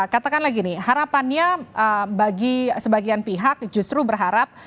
katakanlah gini harapannya bagi sebagian pihak justru berharap